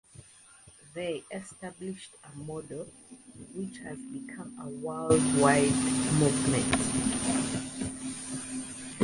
They established a model which has become a worldwide movement.